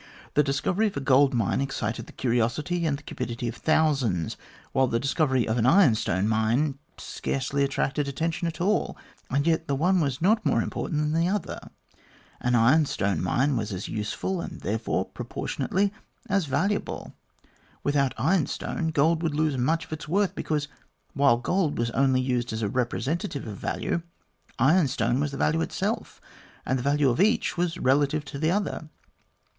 The discovery of a gold mine excited the curiosity and the cupidity of thousands, while the discovery of an ironstone mine scarcely attracted attention at all, and yet the one was not more important than the other. An ironstone mine was as useful, and therefore proportionately as valuable. Without ironstone gold would lose much of its worth, because, while gold was only used as a representative of value, ironstone was the value itself, and the value of each was relative to the other.